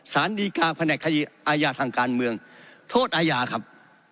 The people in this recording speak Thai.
สารดีกาแผนกคดีอาญาทางการเมืองโทษอาญาครับ